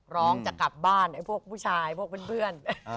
ร้องจะกลับบ้านไอ้พวกผู้ชายพวกเพื่อน